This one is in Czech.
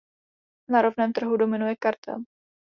Na ropném trhu dominuje kartel.